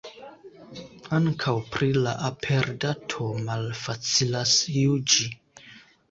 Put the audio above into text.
Ankaŭ pri la aperdato malfacilas juĝi.